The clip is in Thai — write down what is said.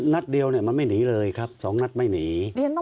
นัดเดียวเนี่ยมันไม่หนีเลยครับ๒นัดไม่หนี